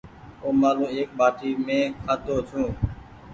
اومآلون ايڪ ٻآٽي مينٚ کآڌو ڇوٚنٚ